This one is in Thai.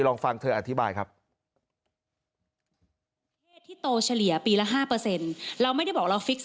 ลองฟังเธออธิบายครับ